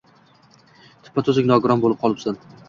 Tuppa-tuzuk nogiron boʻlib qolibsan.